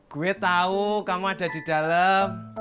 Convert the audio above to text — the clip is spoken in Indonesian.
gue tahu kamu ada di dalam